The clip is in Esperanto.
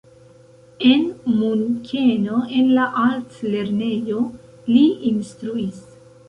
En Munkeno en la altlernejo li instruis.